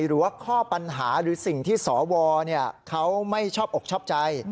หรือว่าข้อปัญหาหรือสิ่งที่สวเขาไม่ชอบอกชอบใจ